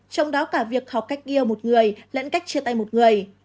trong đó cả việc học cách yêu một người lẫn cách chia tay một người